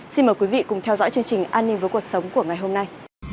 xin mời quý vị cùng theo dõi chương trình an ninh với cuộc sống của ngày hôm nay